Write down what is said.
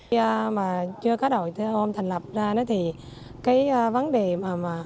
khi mà chưa có đội xe ôm thành lập ra thì cái vấn đề mà